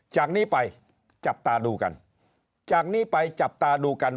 จากนี้ไปจับตาดูกัน